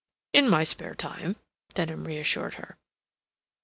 "In my spare time," Denham reassured her.